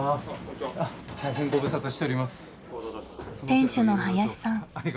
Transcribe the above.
店主の林さん。